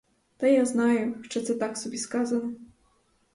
Та я знаю, що це так собі сказано.